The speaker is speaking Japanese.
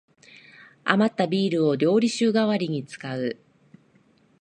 あまったビールを料理酒がわりに使う